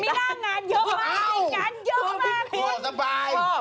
มีหน้างานเยอะมากเยอะมากพิธีนี้โอ้โฮ